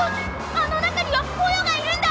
あのなかにはポヨがいるんだ！